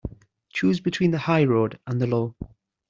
Choose between the high road and the low.